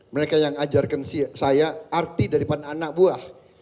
mereka yang ajarkan saya arti daripada anak buah